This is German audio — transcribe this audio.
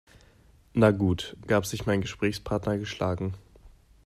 "Na gut", gab sich mein Gesprächspartner geschlagen.